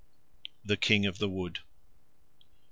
The King of the Wood 1.